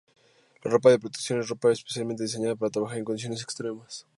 La ropa de protección es ropa especialmente diseñada para trabajar en condiciones extremas.